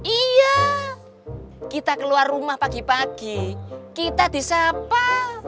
iya kita keluar rumah pagi pagi kita disapa